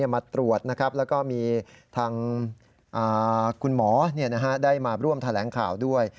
มาตรวจนะครับแล้วก็มีทางคุณหมอได้มาร่วมแถลงข่าวด้วย